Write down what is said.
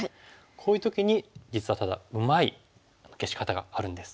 こういう時に実はうまい消し方があるんです。